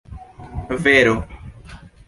vero